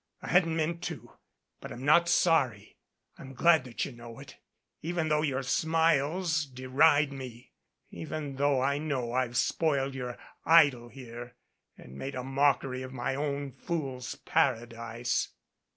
I hadn't meant to, but I'm not sorry. I'm glad that you know it even though your smiles deride me ; even though I know I've spoiled your idyl here and made a mockery of my own Fool's Paradise."